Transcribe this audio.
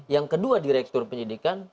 yang kedua direktur penyidikan